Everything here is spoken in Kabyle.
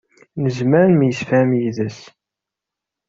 Nezmer ad nemsefham yid-s.